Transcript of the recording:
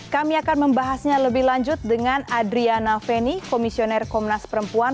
kami akan membahasnya lebih lanjut dengan adriana feni komisioner komnas perempuan